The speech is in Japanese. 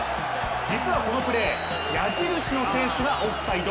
実はこのプレー矢印の選手がオフサイド。